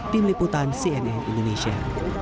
tim liputan cnn indonesia